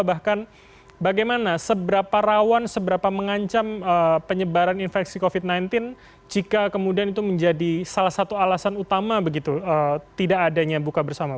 bahkan bagaimana seberapa rawan seberapa mengancam penyebaran infeksi covid sembilan belas jika kemudian itu menjadi salah satu alasan utama begitu tidak adanya buka bersama